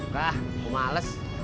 lah aku males